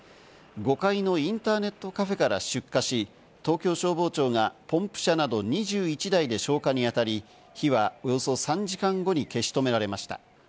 ５階のインターネットカフェから出火し、東京消防庁がポンプ車など２１台で消火に当たり、火はおよそ３時間後に消し止められました。